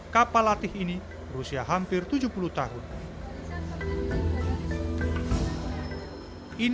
kapal latih ini berusia hampir tujuh puluh tahun